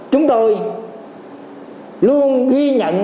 chúng tôi luôn ghi nhận